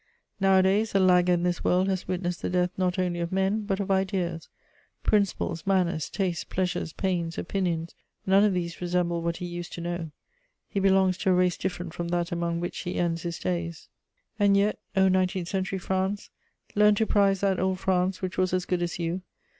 Nowadays, a lagger in this world has witnessed the death not only of men, but of ideas: principles, manners, tastes, pleasures, pains, opinions, none of these resemble what he used to know. He belongs to a race different from that among which he ends his days. [Sidenote: Old France.] And yet, O nineteenth century France, learn to prize that old France which was as good as you.